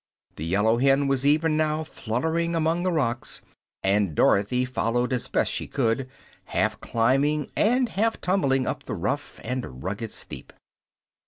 The yellow hen was even now fluttering among the rocks, and Dorothy followed as best she could, half climbing and half tumbling up the rough and rugged steep.